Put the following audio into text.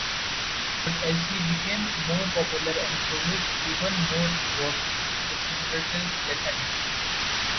But as he became more popular and produced even more work the similarities lessened.